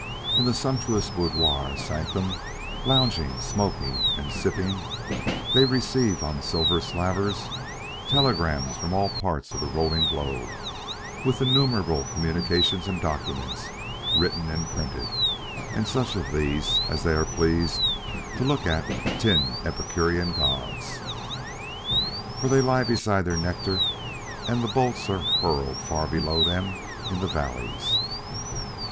In the sumptuous boudoir sanctum, lounging, smoking, and sipping, they receive on silver salvers telegrams from all parts of the rolling globe, with innumerable communications and documents, written and printed; and such of these as they are pleased to look at tin Epicurean gods: "For they lie beside their nectar, and the bolts are hurled Far below them in the valleys."